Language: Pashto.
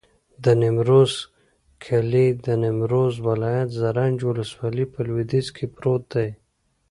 د نیمروز کلی د نیمروز ولایت، زرنج ولسوالي په لویدیځ کې پروت دی.